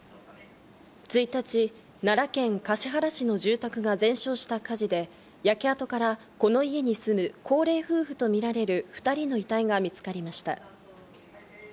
１日、奈良県橿原市の住宅が全焼した火事で、焼け跡からこの家に住む高齢夫婦とみられる２人の遺体が見つかりました。